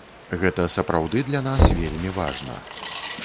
Гэта сапраўды для нас вельмі важна.